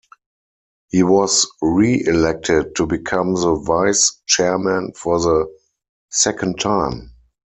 He was re-elected to become the vice-chairman for the second time.